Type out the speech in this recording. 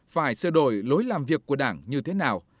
phải sửa đổi lối làm việc của đảng như thế nào